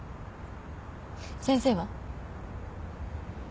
先生は？